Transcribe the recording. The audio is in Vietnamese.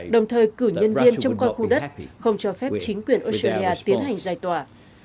đồng thời cử nhân viên trong con khu đất không cho phép chính quyền australia tiến hành giải tòa